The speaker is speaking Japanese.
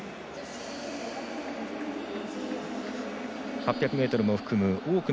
８００ｍを含む